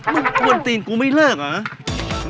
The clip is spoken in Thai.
มึงชวนตีนกูไม่เลิกเหรอ